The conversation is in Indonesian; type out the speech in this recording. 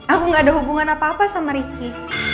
aku gak ada hubungan apa apa sama ricky